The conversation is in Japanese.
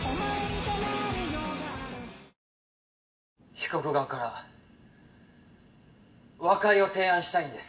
被告側から和解を提案したいんです。